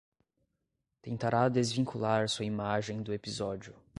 Tentará desvincular sua imagem do episódio